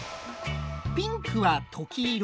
ピンクはとき色